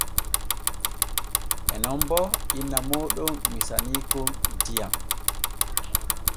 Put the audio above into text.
En non bo inna mooɗon misaniikon diyam.